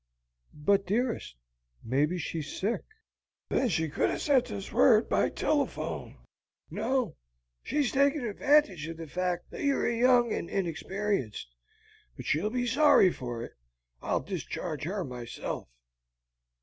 "But, dearest, maybe she's sick." "Then she could have sent us word by telephone. No; she's taking advantage of the fact that you are young and inexperienced. But she'll be sorry for it. I'll discharge her myself."